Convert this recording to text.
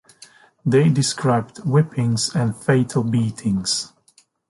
They described whippings and fatal beatings.